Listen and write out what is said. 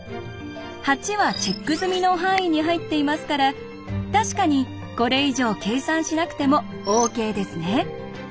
８はチェック済みの範囲に入っていますから確かにこれ以上計算しなくてもＯＫですね。